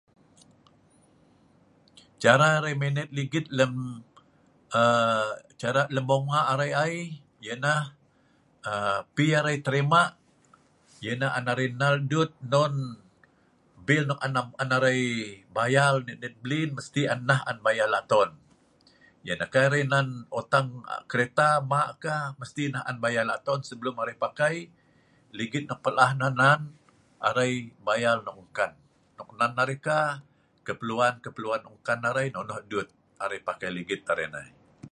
Cara arai manet ligit lem aaa cara lem bunga arai ai, yeh neh pi arai trima, yeh neh arai nhal dut, non bil on an arai bayar net net blin mesti neh on arai bayar laton, kei arai nan hutang kereta, hmak ka, mesti neh on arai bayar laton, sebelum arai pakai, ligit nok pel ahh arai bayar nok enkan, nok nan arai kah, keperluan keperluan nonoh dut arai pakai ligit arai nei